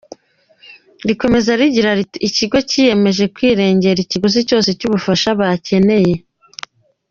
Rikomeza rigira riti “Ikigo cyiyemeje kwirengera ikiguzi cyose cy’ubufasha bakeneye.”